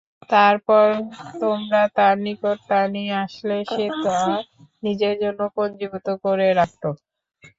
তারপর তোমরা তার নিকট তা নিয়ে আসলে সে তা নিজের জন্য পুঞ্জিভূত করে রাখত।